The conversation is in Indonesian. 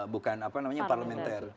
bukan apa namanya parlementer